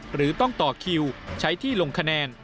หรือต้องต่อคิวใช้ที่ลงคะแนน